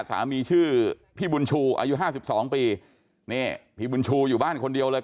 สามีชื่อพี่บุญชูอายุห้าสิบสองปีนี่พี่บุญชูอยู่บ้านคนเดียวเลย